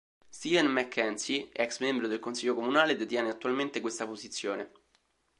Steven Mackenzie, ex membro del consiglio comunale, detiene attualmente questa posizione.